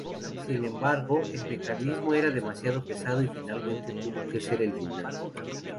Sin embargo, el mecanismo era demasiado pesado y finalmente tuvo que ser eliminado.